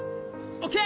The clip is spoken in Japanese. ＯＫ